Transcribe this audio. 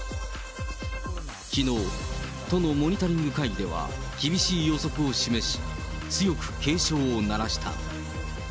きのう、都のモニタリング会議では、厳しい予測を示し、強く警鐘を鳴らした。